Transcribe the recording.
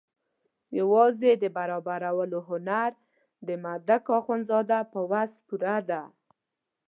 یوازې د برابرولو هنر د مامدک اخندزاده په وس پوره ده.